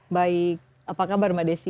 baik apa kabar mbak desi